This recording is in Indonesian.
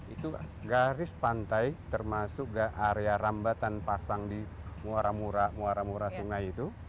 itu garis pantai termasuk area rambatan pasang di muara murah sungai itu